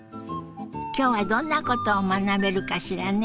今日はどんなことを学べるかしらね。